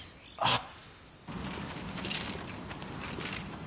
あっ。